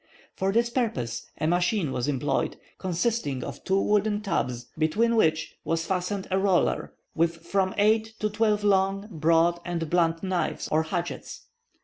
For this purpose, a machine was employed, consisting of two wooden tubs, between which was fastened a roller, with from eight to twelve long, broad, and blunt knives or hatchets.